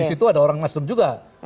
disitu ada orang nasdem juga